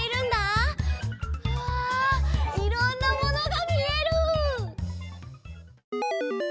うわいろんなものがみえる！